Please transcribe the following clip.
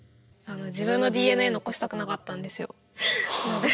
自分のＤＮＡ残したくなかったんですよ。